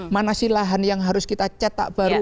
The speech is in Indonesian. mana sih lahan yang harus kita cetak baru